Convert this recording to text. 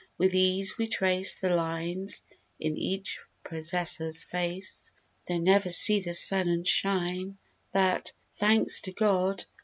With ease we trace The lines in each possessor's face. They never see the sun and shine (That—"Thanks to God!"